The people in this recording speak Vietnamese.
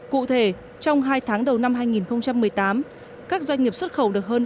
cụ thể trong hai tháng đầu năm hai nghìn một mươi tám các doanh nghiệp xuất khẩu được hơn